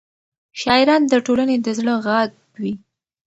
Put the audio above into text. شاعران د ټولنې د زړه غږ وي.